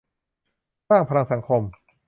สร้างพลังสังคม